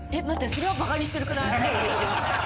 それはバカにしてるくない？